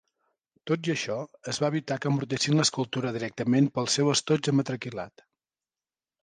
Tot i això, es va evitar que embrutessin l'escultura directament pel seu estoig de metacrilat.